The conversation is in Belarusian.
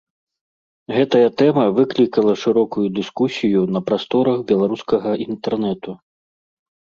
Гэтая тэма выклікала шырокую дыскусію на прасторах беларускага інтэрнэту.